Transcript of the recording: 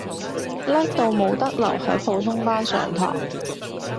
叻到冇得留喺普通班上堂